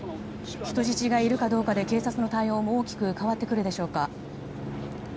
人質がいるかどうかで警察の対応も大きく変わってくるでしょうか。